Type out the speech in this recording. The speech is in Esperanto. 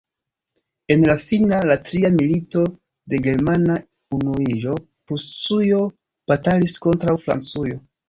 En la fina, la tria milito de germana unuiĝo, Prusujo batalis kontraŭ Francujo.